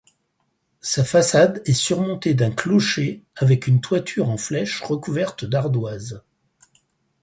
Sa façade est surmontée d'un clocher avec une toiture en flèche recouverte d'ardoise.